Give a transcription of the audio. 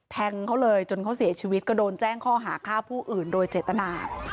แทงเขาเลยจนเขาเสียชีวิตก็โดนแจ้งข้อหาฆ่าผู้อื่นโดยเจตนา